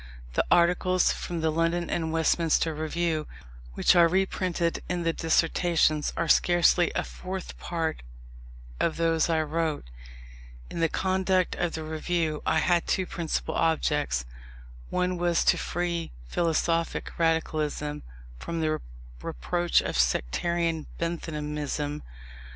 The articles from the London and Westminster Review which are reprinted in the Dissertations, are scarcely a fourth part of those I wrote. In the conduct of the Review I had two principal objects. One was to free philosophic radicalism from the reproach of sectarian Benthamism.